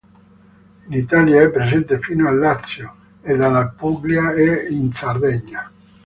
In Italia è presente fino al Lazio ed alla Puglia e in Sardegna.